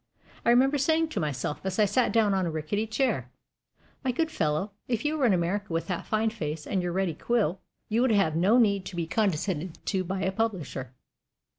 I remember saying to myself, as I sat down on a rickety chair: "My good fellow, if you were in America with that fine face and your ready quill, you would have no need to be condescended to by a publisher."